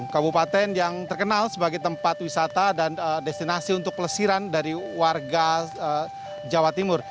kabupaten yang terkenal sebagai tempat wisata dan destinasi untuk pelesiran dari warga jawa timur